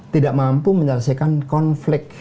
tidak bisa menangani konflik